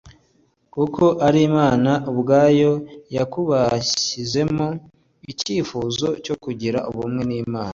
kuko ari imana ubwayo yakubashyizemo. icyifuzo cyo kugira ubumwe n’imana